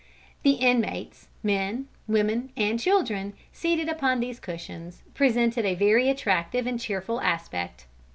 The inmates, men, women and children, seated upon these cushions, presented a very attractive and cheerful aspect.